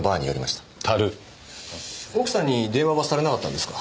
奥さんに電話はされなかったんですか？